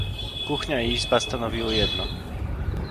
"Kuchnia i izba stanowiły jedno."